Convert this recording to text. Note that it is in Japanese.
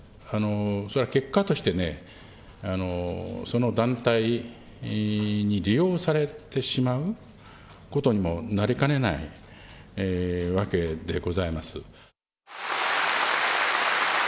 それは結果としてね、その団体に利用されてしまうことにもなりかねないわけでございます。